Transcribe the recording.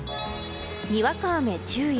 にわか雨注意。